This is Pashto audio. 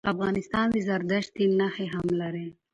افغانستان د زردشت دین نښي هم لري.